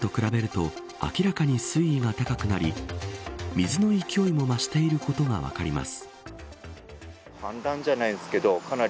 普段と比べると明らかに水位が高くなり水の勢いも増していることが分かります。